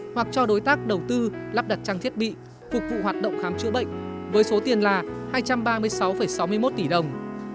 hoặc cho đối tác đầu tư lắp đặt trang thiết bị phục vụ hoạt động khám chữa bệnh với số tiền là hai trăm ba mươi sáu sáu mươi một tỷ đồng